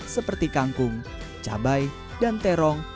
seperti kangkung cabai dan terong